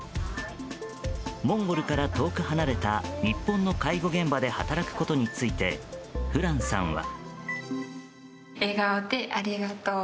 モンゴルから遠く離れた日本の介護現場で働くことについてフランさんは。